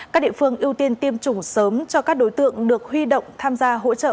các địa phương ưu tiên tiêm chủng sớm cho các đối tượng được huy động tham gia hỗ trợ